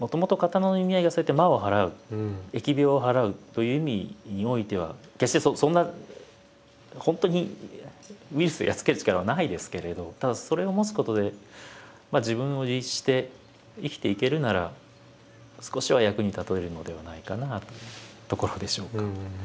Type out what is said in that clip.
もともとという意味においては決してそんな本当にウイルスをやっつける力はないですけれどただそれを持つことで自分を律して生きていけるなら少しは役に立てるのではないかなというところでしょうか。